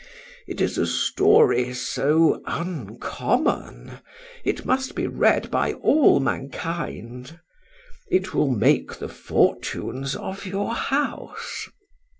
—It is a story so uncommon, it must be read by all mankind;—it will make the fortunes of your house.